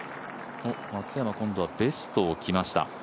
松山、今度はベストを着ました。